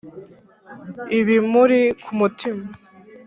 ibimuri ku mutima